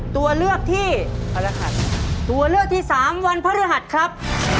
ตัวเลือกที่๓วันพรหัสครับ